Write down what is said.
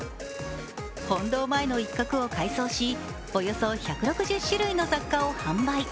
本堂前の一角を改装しおよそ１６０種類の雑貨を販売。